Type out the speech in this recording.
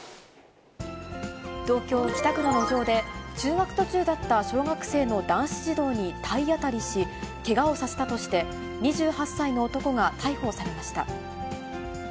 東京・北区の路上で、通学途中だった小学生の男子児童に体当たりし、けがをさせたとして２８歳の男が逮捕されました。